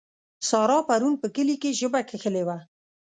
سارا پرون په کلي کې ژبه کښلې وه.